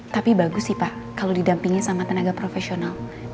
tapi bagus sih pak kalau didampingi sama tenaga profesional